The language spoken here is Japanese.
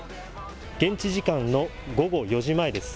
現地時間の午後４時前です。